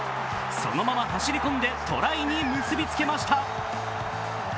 そのまま走り込んでトライに結びつけました。